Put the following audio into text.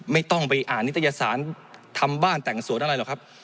ไม่ต้องไปอ่านนิตยสารทำบ้านแต่งสวนอะไรหรอกครับ